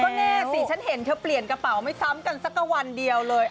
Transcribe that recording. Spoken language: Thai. ก็แน่สิฉันเห็นเธอเปลี่ยนกระเป๋าไม่ซ้ำกันสักวันเดียวเลย